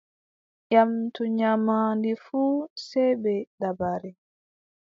Ƴamtu nyaamaande fuu sey bee dabare.